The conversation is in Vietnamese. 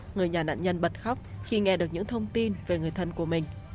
người nhà nạn nhân bật khóc khi nghe được những thông tin về người thân của mình